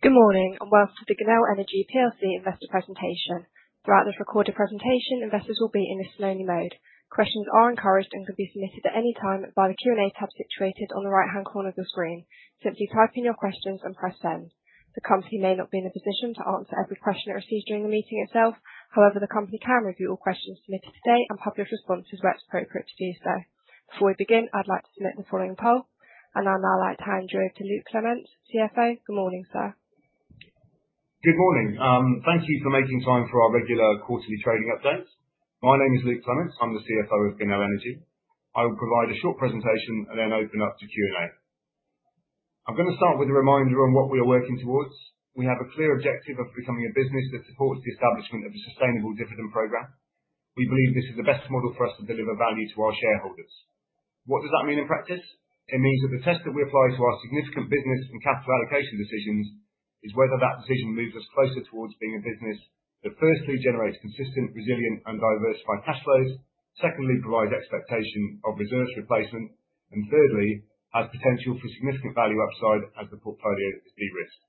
Good morning and welcome to the Genel Energy PLC investor presentation. Throughout this recorded presentation, investors will be in listen-only mode. Questions are encouraged and can be submitted at any time via the Q&A tab situated on the right-hand corner of the screen. Simply type in your questions and press send. The company may not be in a position to answer every question it receives during the meeting itself, however, the company can review all questions submitted today and publish responses where it's appropriate to do so. Before we begin, I'd like to submit the following poll, and I'll now like to hand you over to Luke Clements, CFO. Good morning, sir. Good morning. Thank you for making time for our regular quarterly trading updates. My name is Luke Clements. I'm the CFO of Genel Energy. I will provide a short presentation and then open up to Q&A. I'm going to start with a reminder on what we are working towards. We have a clear objective of becoming a business that supports the establishment of a sustainable dividend program. We believe this is the best model for us to deliver value to our shareholders. What does that mean in practice? It means that the test that we apply to our significant business and capital allocation decisions is whether that decision moves us closer towards being a business that firstly generates consistent, resilient, and diversified cash flows, secondly provides expectation of reserves replacement, and thirdly has potential for significant value upside as the portfolio is de-risked.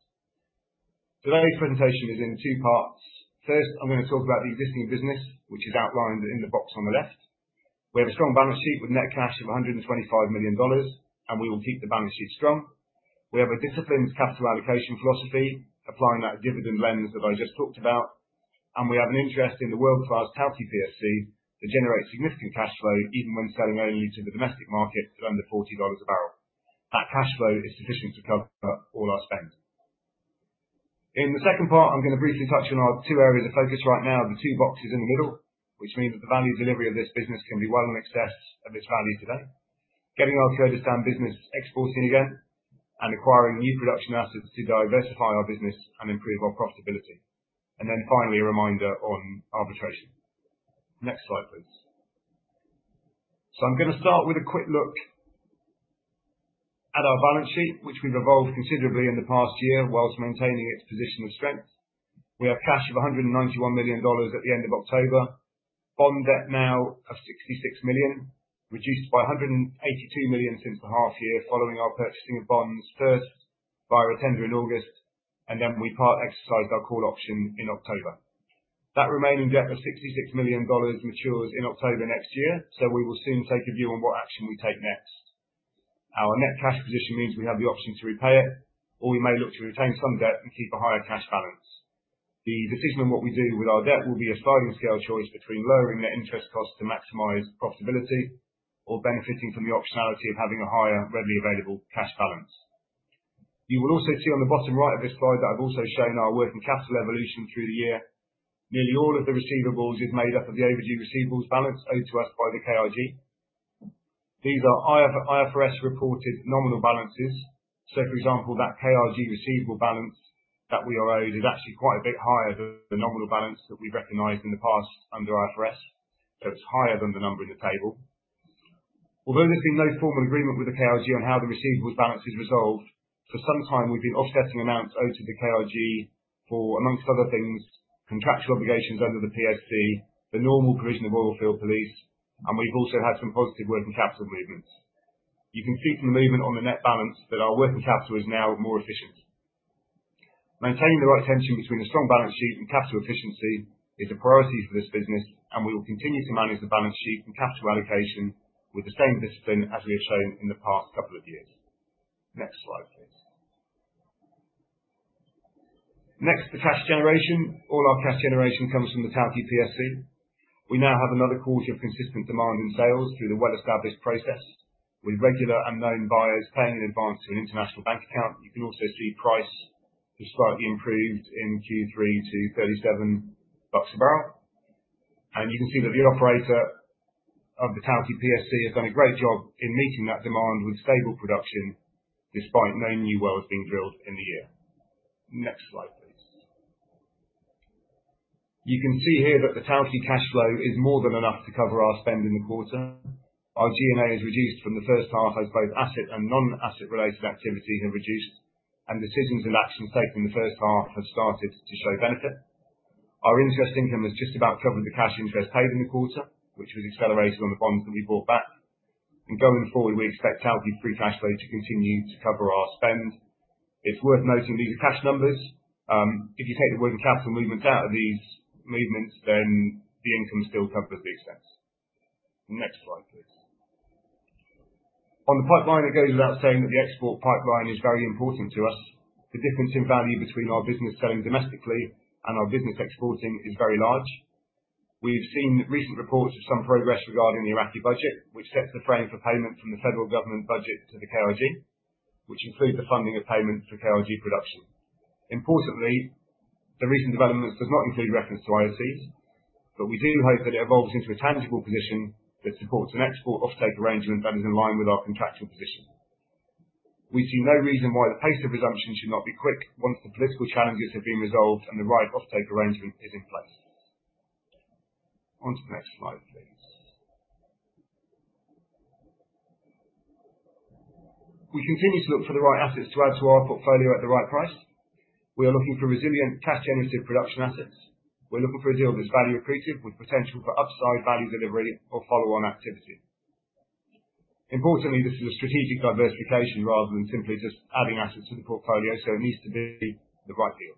Today's presentation is in two parts. First, I'm going to talk about the existing business, which is outlined in the box on the left. We have a strong balance sheet with net cash of $125 million, and we will keep the balance sheet strong. We have a disciplined capital allocation philosophy, applying that dividend lens that I just talked about, and we have an interest in the world-class Tawke PSC that generates significant cash flow even when selling only to the domestic market at under $40 a bbl. That cash flow is sufficient to cover all our spend. In the second part, I'm going to briefly touch on our two areas of focus right now, the two boxes in the middle, which mean that the value delivery of this business can be well in excess of its value today, getting our Kurdistan business exporting again and acquiring new production assets to diversify our business and improve our profitability, and then finally a reminder on arbitration. Next slide, please. So I'm going to start with a quick look at our balance sheet, which we've evolved considerably in the past year while maintaining its position of strength. We have cash of $191 million at the end of October, bond debt now of $66 million, reduced by $182 million since the half year following our purchasing of bonds first via a tender in August, and then we part-exercised our call option in October. That remaining debt of $66 million matures in October next year, so we will soon take a view on what action we take next. Our net cash position means we have the option to repay it, or we may look to retain some debt and keep a higher cash balance. The decision on what we do with our debt will be a sliding scale choice between lowering net interest costs to maximize profitability or benefiting from the optionality of having a higher, readily available cash balance. You will also see on the bottom right of this slide that I've also shown our working capital evolution through the year. Nearly all of the receivables is made up of the overdue receivables balance owed to us by the KRG. These are IFRS-reported nominal balances. For example, that KRG receivable balance that we are owed is actually quite a bit higher than the nominal balance that we've recognized in the past under IFRS. It's higher than the number in the table. Although there's been no formal agreement with the KRG on how the receivables balance is resolved, for some time we've been offsetting amounts owed to the KRG for, among other things, contractual obligations under the PSC, the normal provision of oil field police, and we've also had some positive working capital movements. You can see from the movement on the net balance that our working capital is now more efficient. Maintaining the right tension between a strong balance sheet and capital efficiency is a priority for this business, and we will continue to manage the balance sheet and capital allocation with the same discipline as we have shown in the past couple of years. Next slide, please. Next, the cash generation. All our cash generation comes from the Tawke PSC. We now have another quarter of consistent demand in sales through the well-established process, with regular and known buyers paying in advance to an international bank account. You can also see price has slightly improved in Q3 to $37 a bbl, and you can see that the operator of the Tawke PSC has done a great job in meeting that demand with stable production despite no new wells being drilled in the year. Next slide, please. You can see here that the Tawke cash flow is more than enough to cover our spend in the quarter. Our G&A has reduced from the first half as both asset and non-asset related activity have reduced, and decisions and actions taken in the first half have started to show benefit. Our interest income has just about covered the cash interest paid in the quarter, which was accelerated on the bonds that we bought back. And going forward, we expect Tawke free cash flow to continue to cover our spend. It's worth noting these are cash numbers. If you take the working capital movements out of these movements, then the income still covers the expense. Next slide, please. On the pipeline, it goes without saying that the export pipeline is very important to us. The difference in value between our business selling domestically and our business exporting is very large. We've seen recent reports of some progress regarding the Iraqi budget, which sets the frame for payment from the federal government budget to the KRG, which includes the funding of payment for KRG production. Importantly, the recent developments do not include reference to IOCs, but we do hope that it evolves into a tangible position that supports an export offtake arrangement that is in line with our contractual position. We see no reason why the pace of resumption should not be quick once the political challenges have been resolved and the right offtake arrangement is in place. On to the next slide, please. We continue to look for the right assets to add to our portfolio at the right price. We are looking for resilient, cash-generative production assets. We're looking for a deal that's value accretive with potential for upside value delivery or follow-on activity. Importantly, this is a strategic diversification rather than simply just adding assets to the portfolio, so it needs to be the right deal.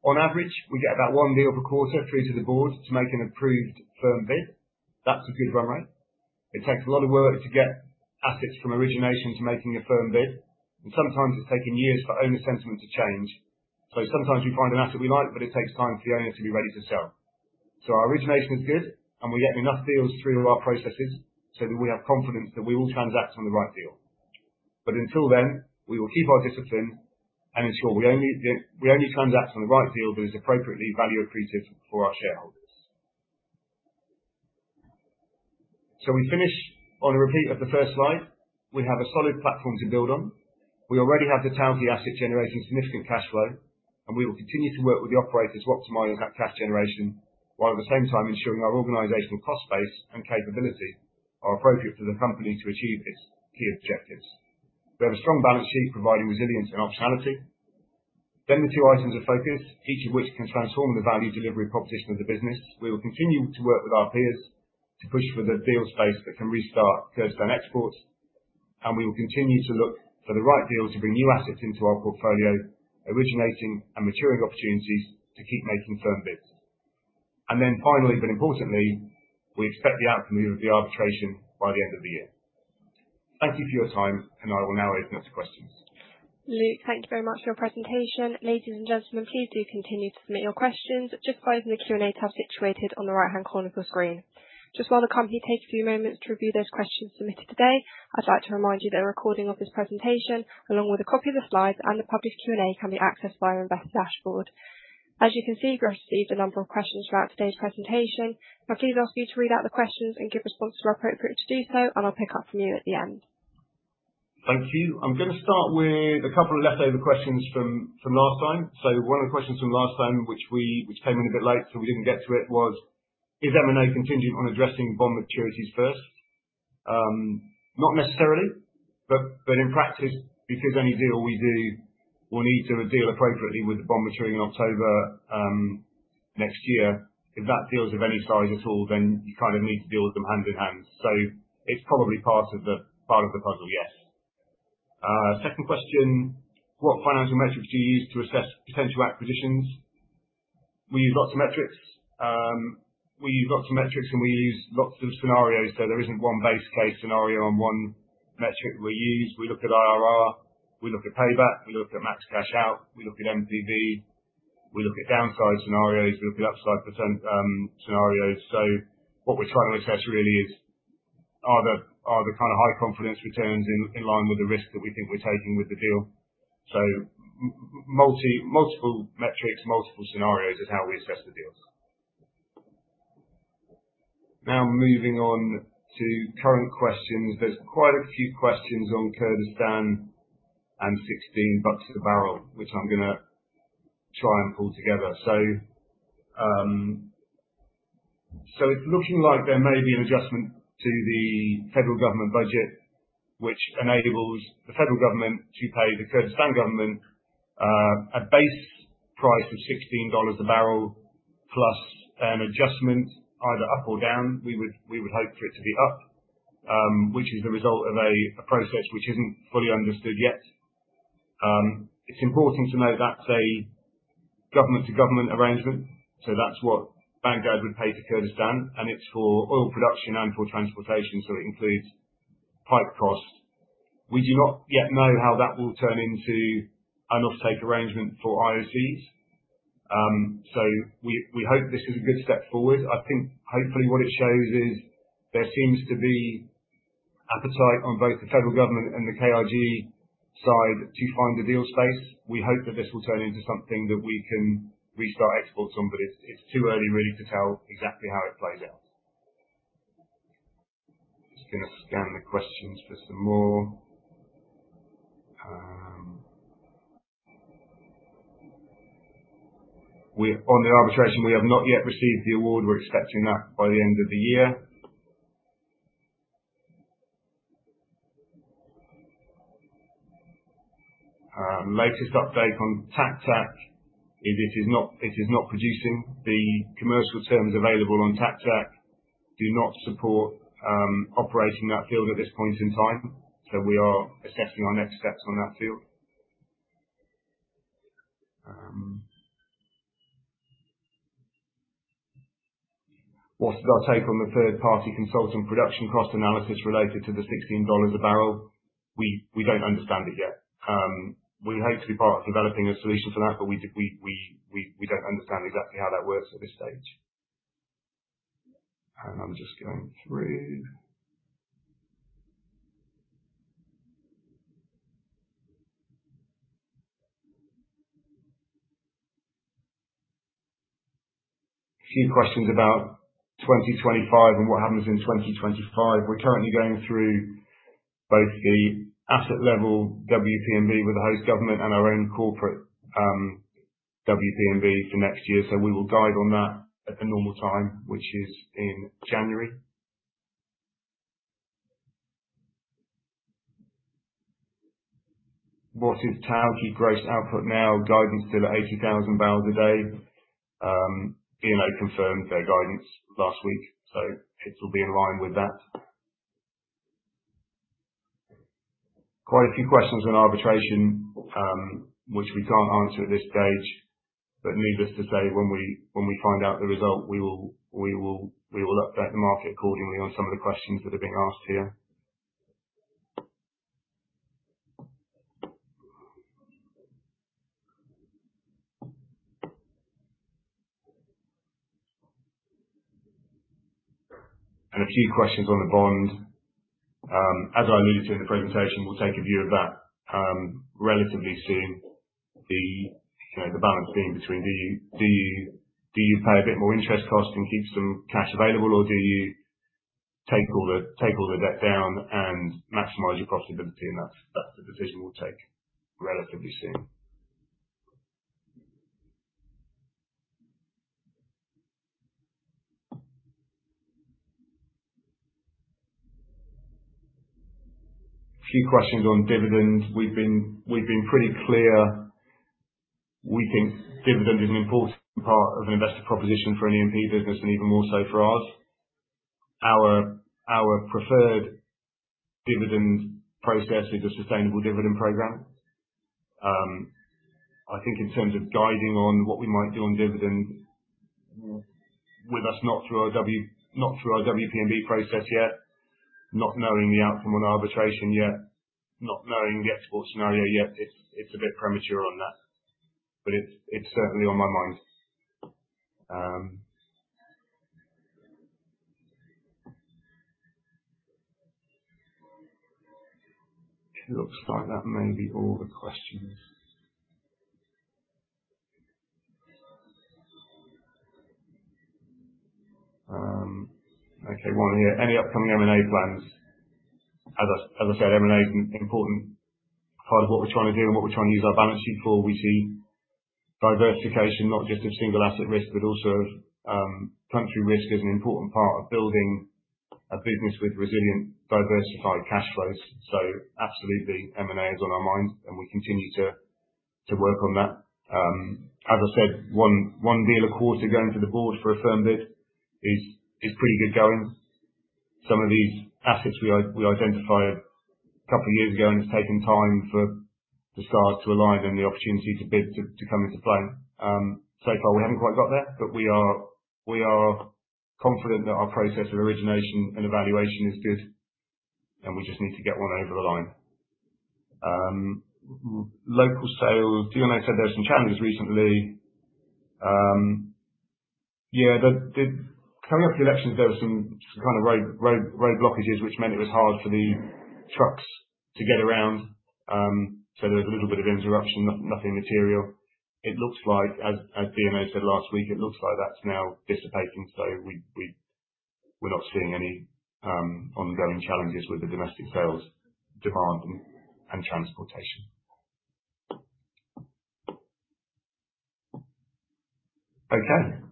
On average, we get about one deal per quarter through to the board to make an approved firm bid. That's a good run rate. It takes a lot of work to get assets from origination to making a firm bid, and sometimes it's taken years for owner sentiment to change. So sometimes we find an asset we like, but it takes time for the owner to be ready to sell. So our origination is good, and we're getting enough deals through our processes so that we have confidence that we will transact on the right deal. But until then, we will keep our discipline and ensure we only transact on the right deal that is appropriately value accretive for our shareholders. So we finish on a repeat of the first slide. We have a solid platform to build on. We already have the Tawke asset generating significant cash flow, and we will continue to work with the operators to optimize that cash generation while at the same time ensuring our organizational cost base and capability are appropriate for the company to achieve its key objectives. We have a strong balance sheet providing resilience and optionality. Then the two items of focus, each of which can transform the value delivery proposition of the business. We will continue to work with our peers to push for the deal space that can restart Kurdistan exports, and we will continue to look for the right deal to bring new assets into our portfolio, originating and maturing opportunities to keep making firm bids. And then finally, but importantly, we expect the outcome of the arbitration by the end of the year. Thank you for your time, and I will now open up to questions. Luke, thank you very much for your presentation. Ladies and gentlemen, please do continue to submit your questions just by using the Q&A tab situated on the right-hand corner of your screen. Just while the company takes a few moments to review those questions submitted today, I'd like to remind you that a recording of this presentation, along with a copy of the slides and the published Q&A, can be accessed via our investor dashboard. As you can see, we've received a number of questions throughout today's presentation. I'll please ask you to read out the questions and give responses where appropriate to do so, and I'll pick up from you at the end. Thank you. I'm going to start with a couple of leftover questions from last time. So one of the questions from last time, which came in a bit late so we didn't get to it, was, is M&A contingent on addressing bond maturities first? Not necessarily, but in practice, because any deal we do will need to deal appropriately with the bond maturing in October next year. If that deal's of any size at all, then you kind of need to deal with them hand in hand. So it's probably part of the puzzle, yes. Second question, what financial metrics do you use to assess potential acquisitions? We use lots of metrics. We use lots of metrics, and we use lots of scenarios, so there isn't one base case scenario on one metric we use. We look at IRR, we look at payback, we look at max cash out, we look at NPV, we look at downside scenarios, we look at upside scenarios. So what we're trying to assess really is, are the kind of high confidence returns in line with the risk that we think we're taking with the deal? So multiple metrics, multiple scenarios is how we assess the deals. Now moving on to current questions. There's quite a few questions on Kurdistan and $16 bucks a bbl, which I'm going to try and pull together. So it's looking like there may be an adjustment to the federal government budget, which enables the federal government to pay the Kurdistan government a base price of $16 a bbl plus an adjustment either up or down. We would hope for it to be up, which is the result of a process which isn't fully understood yet. It's important to know that's a government-to-government arrangement, so that's what Baghdad would pay to Kurdistan, and it's for oil production and for transportation, so it includes pipe costs. We do not yet know how that will turn into an offtake arrangement for IOCs, so we hope this is a good step forward. I think hopefully what it shows is there seems to be appetite on both the federal government and the KRG side to find a deal space. We hope that this will turn into something that we can restart exports on, but it's too early really to tell exactly how it plays out. Just going to scan the questions for some more. On the arbitration, we have not yet received the award. We're expecting that by the end of the year. Latest update on Taq Taq is it is not producing. The commercial terms available on Taq Taq do not support operating that field at this point in time, so we are assessing our next steps on that field. What is our take on the third-party consultant production cost analysis related to the $16 a bbl? We don't understand it yet. We hope to be part of developing a solution for that, but we don't understand exactly how that works at this stage. I'm just going through a few questions about 2025 and what happens in 2025. We're currently going through both the asset level WP&B with the host government and our own corporate WP&B for next year, so we will guide on that at the normal time, which is in January. What is Tawke gross output now? Guidance still at 80,000 bbl a day. DNO confirmed their guidance last week, so it will be in line with that. Quite a few questions on arbitration, which we can't answer at this stage, but needless to say, when we find out the result, we will update the market accordingly on some of the questions that are being asked here. And a few questions on the bond. As I alluded to in the presentation, we'll take a view of that relatively soon. The balance being between, do you pay a bit more interest cost and keep some cash available, or do you take all the debt down and maximize your profitability? And that's the decision we'll take relatively soon. A few questions on dividend. We've been pretty clear. We think dividend is an important part of an investor proposition for an E&P business and even more so for ours. Our preferred dividend process is a sustainable dividend program. I think in terms of guiding on what we might do on dividend, with us not through our WP&B process yet, not knowing the outcome on arbitration yet, not knowing the export scenario yet, it's a bit premature on that, but it's certainly on my mind. It looks like that may be all the questions. Okay, one here. Any upcoming M&A plans? As I said, M&A is an important part of what we're trying to do and what we're trying to use our balance sheet for. We see diversification, not just of single asset risk, but also of country risk as an important part of building a business with resilient, diversified cash flows. So absolutely, M&A is on our mind, and we continue to work on that. As I said, one deal a quarter going to the board for a firm bid is pretty good going. Some of these assets we identified a couple of years ago, and it's taken time for the stars to align and the opportunity to bid to come into play. So far, we haven't quite got there, but we are confident that our process of origination and evaluation is good, and we just need to get one over the line. Local sales, DNO said there were some challenges recently. Yeah, coming up to the elections, there were some kind of road blockages, which meant it was hard for the trucks to get around, so there was a little bit of interruption, nothing material. It looks like, as DNO said last week, it looks like that's now dissipating, so we're not seeing any ongoing challenges with the domestic sales, demand, and transportation. Okay.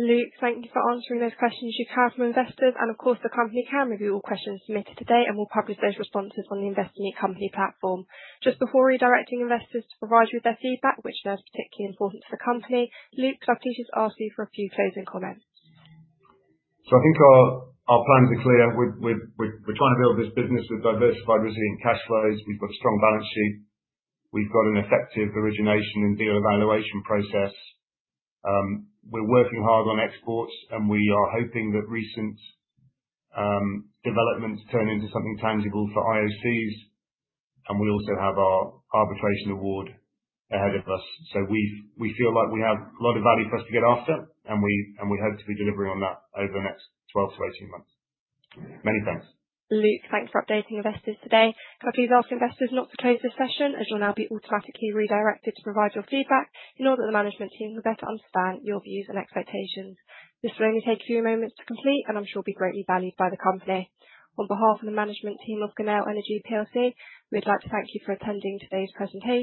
Luke, thank you for answering those questions you've had from investors. And of course, the company can review all questions submitted today, and we'll publish those responses on the Investor Meet Company platform. Just before redirecting investors to provide you with their feedback, which is particularly important to the company, Luke, I'm pleased to ask you for a few closing comments. So I think our plans are clear. We're trying to build this business with diversified, resilient cash flows. We've got a strong balance sheet. We've got an effective origination and deal evaluation process. We're working hard on exports, and we are hoping that recent developments turn into something tangible for IOCs, and we also have our arbitration award ahead of us. So we feel like we have a lot of value for us to get after, and we hope to be delivering on that over the next 12 to 18 months. Many thanks. Luke, thanks for updating investors today. Can I please ask investors not to close the session, as you'll now be automatically redirected to provide your feedback in order for the management team to better understand your views and expectations? This will only take a few moments to complete, and I'm sure it will be greatly valued by the company. On behalf of the management team of Genel Energy PLC, we'd like to thank you for attending today's presentation.